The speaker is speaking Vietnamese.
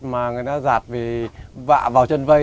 mà người ta giạt vì vạ vào chân vây